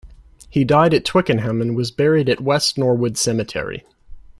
He died at Twickenham and was buried at West Norwood Cemetery.